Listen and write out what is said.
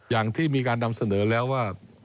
อย่างที่มีการนำเสนอแล้วว่า